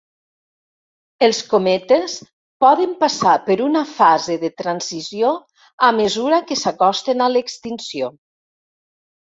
Els cometes poden passar per una fase de transició a mesura que s'acosten a l'extinció.